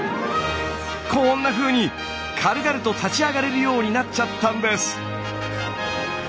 こんなふうに軽々と立ち上がれるようになっちゃったんです！